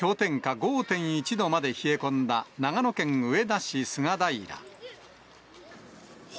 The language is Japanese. ５．１度まで冷え込んだ、長野県上田市菅平。